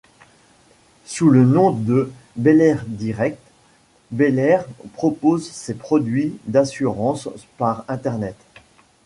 Sous le nom de belairdirect, Belair propose ses produits d’assurance par Internet.